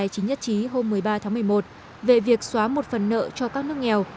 chính nhất trí hôm một mươi ba tháng một mươi một về việc xóa một phần nợ cho các nước nghèo